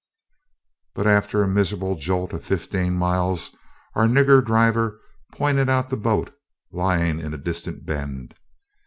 But after a miserable jolt of fifteen miles, our nigger driver pointed out the boat lying in a distant bend.